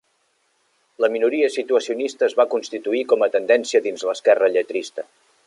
La minoria situacionista es va constituir com a tendència dins l'esquerra lletrista.